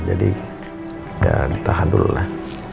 jadi biar ditahan dulu lah